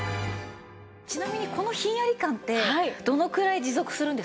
ちなみにこのひんやり感ってどのくらい持続するんですか？